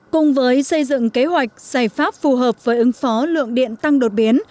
cùng với xây dựng kế hoạch giải pháp phù hợp với ứng phó lượng điện tăng đột biến